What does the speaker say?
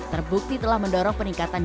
terbukti telah mendorong peningkatan